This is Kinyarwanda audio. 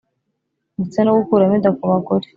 ndetse no gukuramo inda ku bagore